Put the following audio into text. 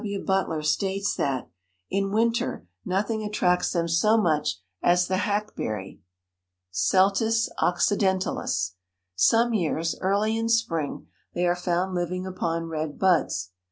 W. Butler states that, "in winter nothing attracts them so much as the hack berry (Celtis occidentalis). Some years, early in spring, they are found living upon red buds."